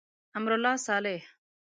امرالله صالح.